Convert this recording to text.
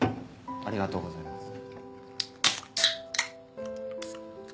ありがとうございます。